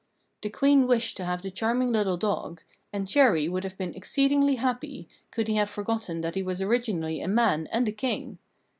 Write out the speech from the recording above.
The Queen wished to have the charming little dog; and Chéri would have been exceedingly happy, could he have forgotten that he was originally a man and a King.